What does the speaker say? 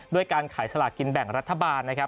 ด้วยการขายสลากินแบ่งรัฐบาลนะครับ